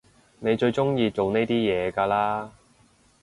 你最中意做呢啲嘢㗎啦？